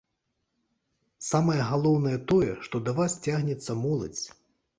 Самае галоўнае тое, што да вас цягнецца моладзь!